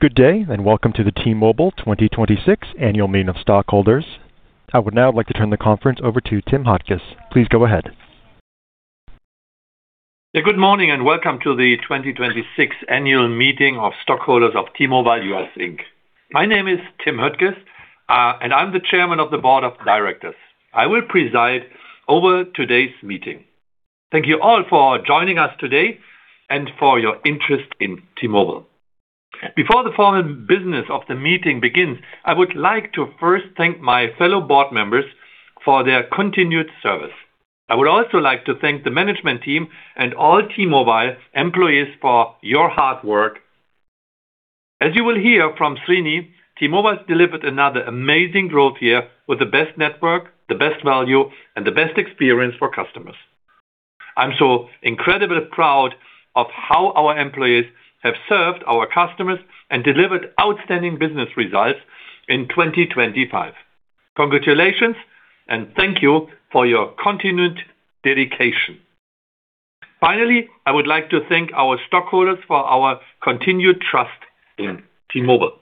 Good day, welcome to the T-Mobile 2026 Annual Meeting of Stockholders. I would now like to turn the conference over to Tim Höttges. Please go ahead. Good morning, welcome to the 2026 Annual Meeting of Stockholders of T-Mobile US, Inc.. My name is Tim Höttges, and I'm the Chairman of the Board of Directors. I will preside over today's meeting. Thank you all for joining us today and for your interest in T-Mobile. Before the formal business of the meeting begins, I would like to first thank my fellow board members for their continued service. I would also like to thank the management team and all T-Mobile employees for your hard work. As you will hear from Srini, T-Mobile's delivered another amazing growth year with the best network, the best value, and the best experience for customers. I'm so incredibly proud of how our employees have served our customers and delivered outstanding business results in 2025. Congratulations, thank you for your continued dedication. Finally, I would like to thank our stockholders for our continued trust in T-Mobile.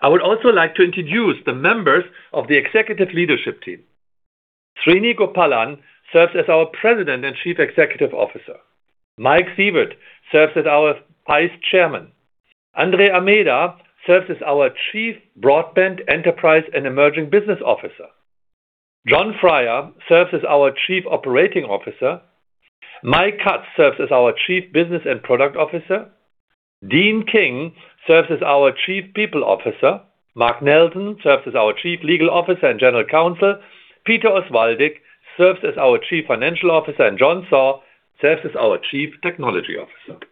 I would also like to introduce the members of the executive leadership team. Srini Gopalan serves as our President and Chief Executive Officer. Mike Sievert serves as our Vice Chairman. André Almeida serves as our Chief Broadband, Enterprise, and Emerging Business Officer. Jon Freier serves as our Chief Operating Officer. Mike Katz serves as our Chief Business and Product Officer. Deeanne King serves as our Chief People Officer. Mark Nelson serves as our Chief Legal Officer and General Counsel. Peter Osvaldik serves as our Chief Financial Officer. John Saw serves as our Chief Technology Officer.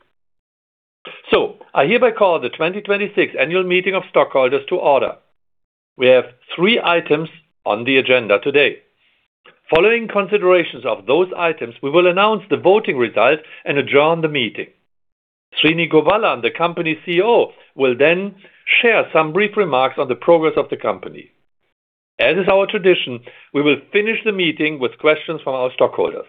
I hereby call the 2026 Annual Meeting of Stockholders to order. We have three items on the agenda today. Following considerations of those items, we will announce the voting results and adjourn the meeting. Srini Gopalan, the company CEO, will then share some brief remarks on the progress of the company. As is our tradition, we will finish the meeting with questions from our stockholders.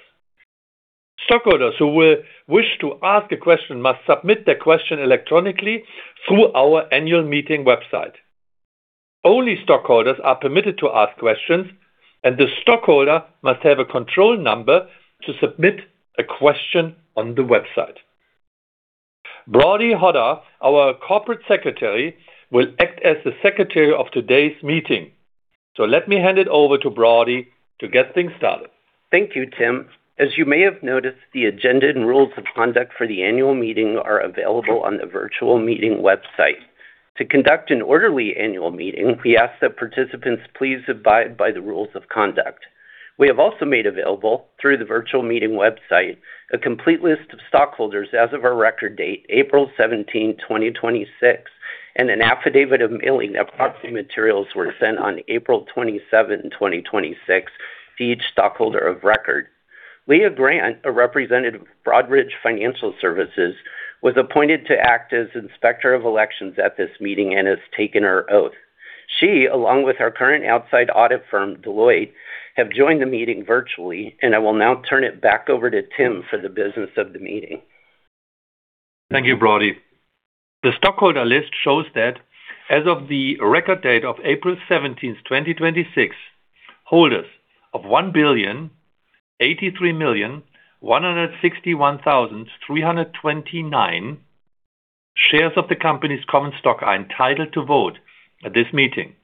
Stockholders who will wish to ask a question must submit their question electronically through our annual meeting website. Only stockholders are permitted to ask questions, and the stockholder must have a control number to submit a question on the website. Broady Hodder, our Corporate Secretary, will act as the Secretary of today's meeting. Let me hand it over to Broady to get things started. Thank you, Tim. As you may have noticed, the agenda and rules of conduct for the annual meeting are available on the virtual meeting website. To conduct an orderly annual meeting, we ask that participants please abide by the rules of conduct. We have also made available, through the virtual meeting website, a complete list of stockholders as of our record date, April 17, 2026, and an affidavit of mailing that proxy materials were sent on April 27, 2026, to each stockholder of record. Leah Grant, a representative of Broadridge Financial Solutions, was appointed to act as Inspector of Elections at this meeting and has taken her oath. She, along with our current outside audit firm, Deloitte, have joined the meeting virtually, and I will now turn it back over to Tim for the business of the meeting. Thank you, Broady. The stockholder list shows that as of the record date of April 17th, 2026, holders of 1,083,161,329 shares of the company's common stock are entitled to vote at this meeting.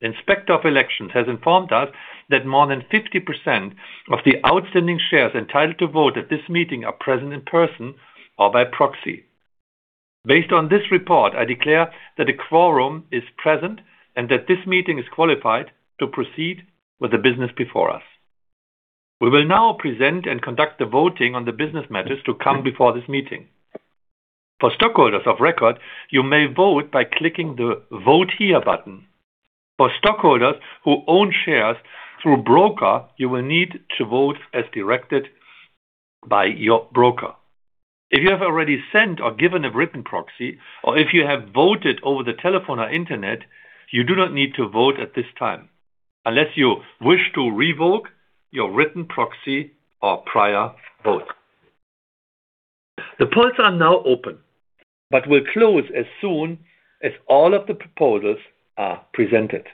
The Inspector of Elections has informed us that more than 50% of the outstanding shares entitled to vote at this meeting are present in person or by proxy. Based on this report, I declare that a quorum is present and that this meeting is qualified to proceed with the business before us. We will now present and conduct the voting on the business matters to come before this meeting. For stockholders of record, you may vote by clicking the Vote Here button. For stockholders who own shares through a broker, you will need to vote as directed by your broker. If you have already sent or given a written proxy, or if you have voted over the telephone or internet, you do not need to vote at this time unless you wish to revoke your written proxy or prior vote. The polls are now open but will close as soon as all of the proposals are presented.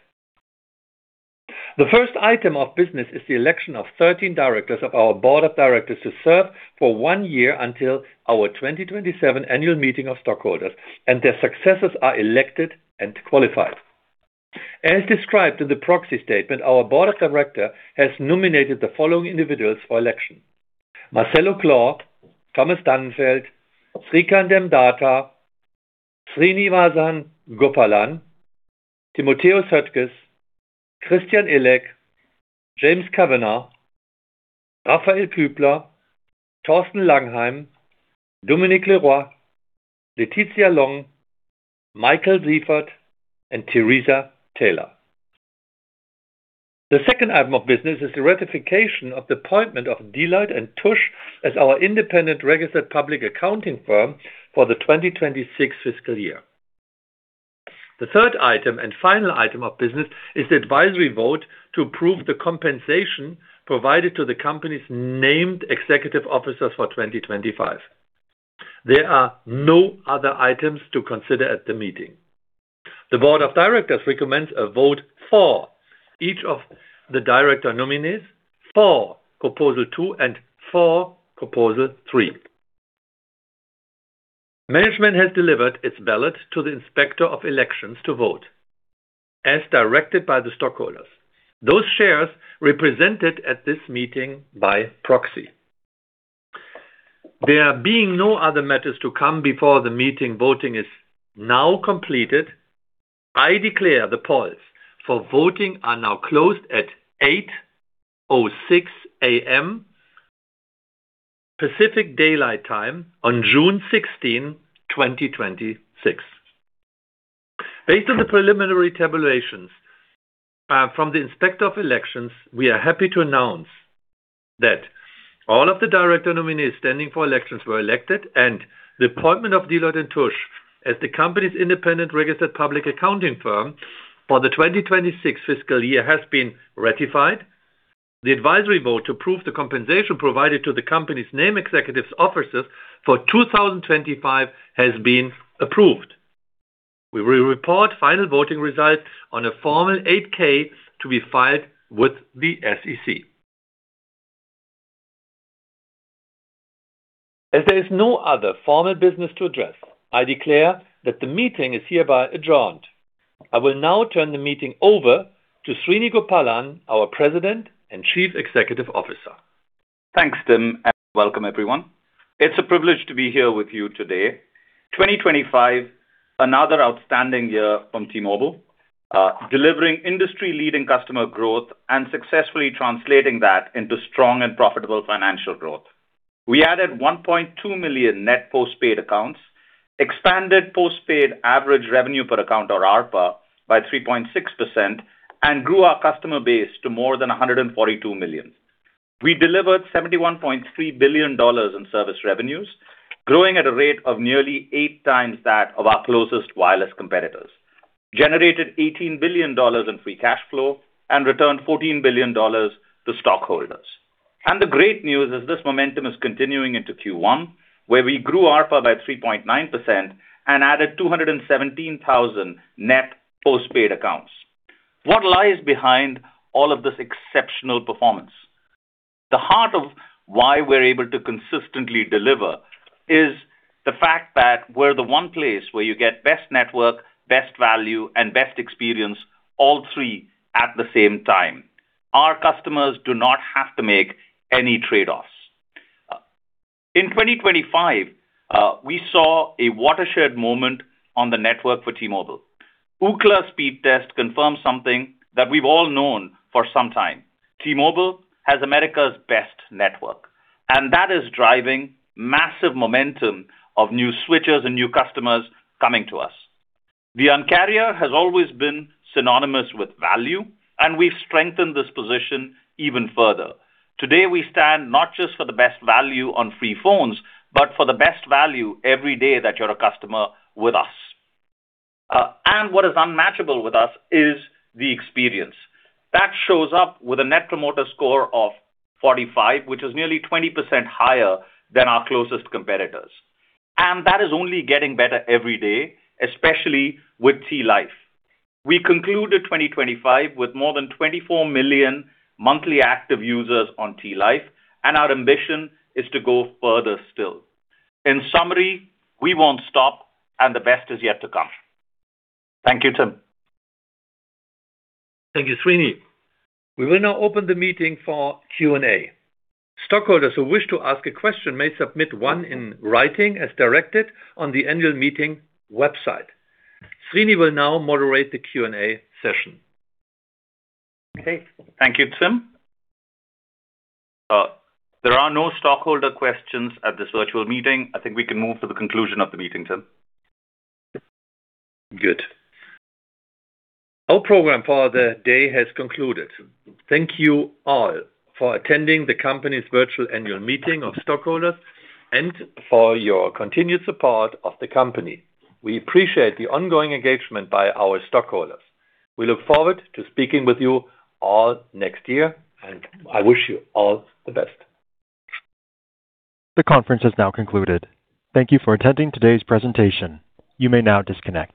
The first item of business is the election of 13 directors of our board of directors to serve for one year until our 2027 annual meeting of stockholders, and their successors are elected and qualified. As described in the proxy statement, our board of directors has nominated the following individuals for election: Marcelo Claure, Thomas Dannenfeldt, Srikant Datar, Srini Gopalan, Timotheus Höttges, Christian Illek, James Kavanaugh, Raphael Kübler, Thorsten Langheim, Dominique Leroy, c Mike Sievert, and Teresa Taylor. The second item of business is the ratification of the appointment of Deloitte & Touche as our independent registered public accounting firm for the 2026 fiscal year. The third item and final item of business is the advisory vote to approve the compensation provided to the company's named executive officers for 2025. There are no other items to consider at the meeting. The board of directors recommends a vote for each of the director nominees, for proposal two and for proposal three. Management has delivered its ballot to the Inspector of Elections to vote as directed by the stockholders. Those shares represented at this meeting by proxy. There being no other matters to come before the meeting, voting is now completed. I declare the polls for voting are now closed at 8:06 A.M., Pacific Daylight Time on June 16, 2026. Based on the preliminary tabulations from the Inspector of Elections, we are happy to announce that all of the director nominees standing for elections were elected and the appointment of Deloitte & Touche as the company's independent registered public accounting firm for the 2026 fiscal year has been ratified. The advisory vote to approve the compensation provided to the company's named executives officers for 2025 has been approved. We will report final voting results on a formal 8-K to be filed with the SEC. As there is no other formal business to address, I declare that the meeting is hereby adjourned. I will now turn the meeting over to Srini Gopalan, our President and Chief Executive Officer. Thanks, Tim, and welcome everyone. It's a privilege to be here with you today. 2025, another outstanding year from T-Mobile, delivering industry-leading customer growth and successfully translating that into strong and profitable financial growth. We added $1.2 million net postpaid accounts, expanded postpaid average revenue per account, or ARPA, by 3.6%, and grew our customer base to more than 142 million. We delivered $71.3 billion in service revenues, growing at a rate of nearly eight times that of our closest wireless competitors. Generated $18 billion in free cash flow and returned $14 billion to stockholders. The great news is this momentum is continuing into Q1, where we grew ARPA by 3.9% and added 217,000 net postpaid accounts. What lies behind all of this exceptional performance? The heart of why we're able to consistently deliver is the fact that we're the one place where you get best network, best value, and best experience, all three at the same time. Our customers do not have to make any trade-offs. In 2025, we saw a watershed moment on the network for T-Mobile. Ookla Speedtest confirms something that we've all known for some time. T-Mobile has America's best network, and that is driving massive momentum of new switchers and new customers coming to us. The Un-carrier has always been synonymous with value, and we've strengthened this position even further. Today we stand not just for the best value on free phones, but for the best value every day that you're a customer with us. What is unmatchable with us is the experience. That shows up with a net promoter score of 45, which is nearly 20% higher than our closest competitors. That is only getting better every day, especially with T Life. We concluded 2025 with more than 24 million monthly active users on T Life, our ambition is to go further still. In summary, we won't stop, and the best is yet to come. Thank you, Tim. Thank you, Srini. We will now open the meeting for Q&A. Stockholders who wish to ask a question may submit one in writing as directed on the annual meeting website. Srini will now moderate the Q&A session. Okay. Thank you, Tim. There are no stockholder questions at this virtual meeting. I think we can move to the conclusion of the meeting, Tim. Good. Our program for the day has concluded. Thank you all for attending the company's virtual annual meeting of stockholders and for your continued support of the company. We appreciate the ongoing engagement by our stockholders. We look forward to speaking with you all next year. I wish you all the best. The conference has now concluded. Thank you for attending today's presentation. You may now disconnect.